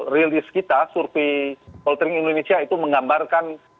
rilis kita survei poltering indonesia itu menggambarkan